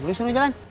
lo suruh jalan